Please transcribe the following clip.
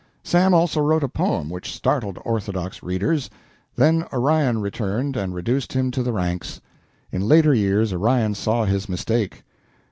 Sam also wrote a poem which startled orthodox readers. Then Orion returned and reduced him to the ranks. In later years Orion saw his mistake.